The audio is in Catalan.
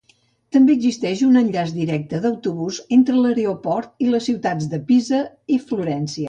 També existeix un enllaç directe d'autobús entre l'aeroport i les ciutats de Pisa i Florència.